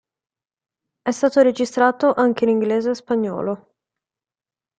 È stato registrato anche in inglese e spagnolo.